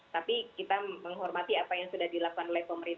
tapi kita menghormati apa yang sudah dilakukan oleh pemerintah